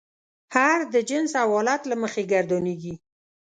هر د جنس او حالت له مخې ګردانیږي.